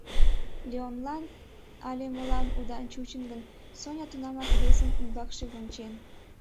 Леолан але мылам удан чучын гын, Соня тунамак весын ӱмбакше вончен.